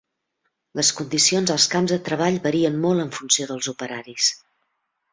Les condicions als camps de treball varien molt en funció dels operaris.